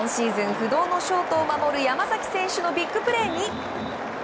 不動のショートを守る山崎選手のビッグプレーに。